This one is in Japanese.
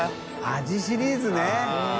味」シリーズね。